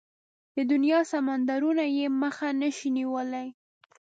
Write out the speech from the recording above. د دنيا سمندرونه يې مخه نشي نيولای.